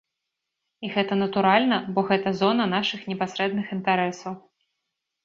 І гэта натуральна, бо гэта зона нашых непасрэдных інтарэсаў.